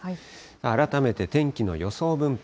改めて天気の予想分布